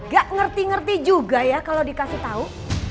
gak ngerti ngerti juga ya kalau dikasih tahu